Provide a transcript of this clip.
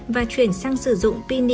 và chuyển sang sử dụng pin niken cademy